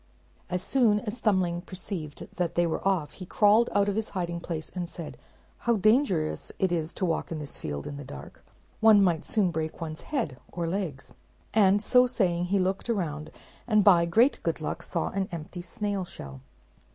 As soon as Thumbling perceived that they were off, he crawled out of his hiding place, and said, "How dangerous it is to walk in this field in the dark: one might soon break one's head or legs;" and so saying he looked around, and by great good luck saw an empty snail shell.